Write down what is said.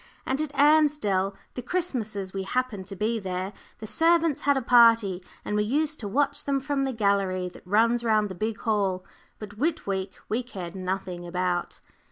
And at Ansdell, the Christmases we happened to be there, the servants had a party, and we used to watch them from the gallery that runs round the big hall. But Whit week we cared nothing about.